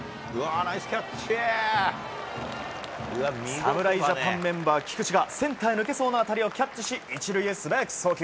侍ジャパンメンバー、菊池がセンターへ抜けそうな当たりをキャッチし１塁へ素早く送球。